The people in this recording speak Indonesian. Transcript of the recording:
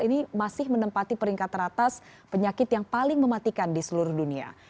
ini masih menempati peringkat teratas penyakit yang paling mematikan di seluruh dunia